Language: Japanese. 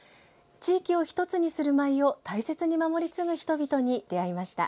地域を一つにする舞を大切に守り継ぐ人々に出会いました。